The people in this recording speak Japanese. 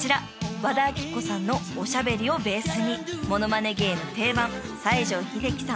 和田アキ子さんのおしゃべりをベースにモノマネ芸の定番西城秀樹さん］